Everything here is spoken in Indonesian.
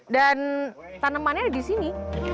dan tanamannya ada di sini